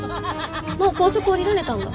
もう高速降りられたんだ。